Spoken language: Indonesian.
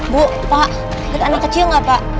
bu pak lihat anak kecil gak pak